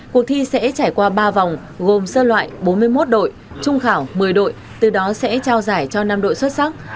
cuộc thi sẽ trải qua ba vòng gồm sơ loại bốn mươi một đội trung khảo một mươi đội từ đó sẽ trao giải cho năm đội xuất sắc